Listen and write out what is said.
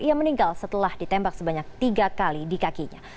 ia meninggal setelah ditembak sebanyak tiga kali di kakinya